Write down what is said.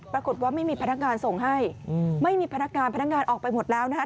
ปรากฏว่าไม่มีพนักงานส่งให้ไม่มีพนักงานพนักงานออกไปหมดแล้วนะคะ